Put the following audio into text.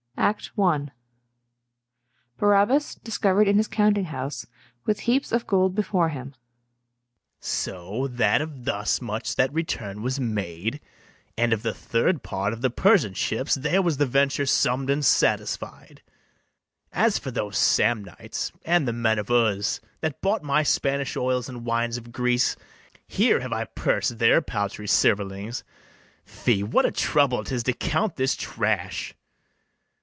] ACT I. BARABAS discovered in his counting house, with heaps of gold before him. BARABAS. So that of thus much that return was made; And of the third part of the Persian ships There was the venture summ'd and satisfied. As for those Samnites, and the men of Uz, That bought my Spanish oils and wines of Greece, Here have I purs'd their paltry silverlings. Fie, what a trouble 'tis to count this trash!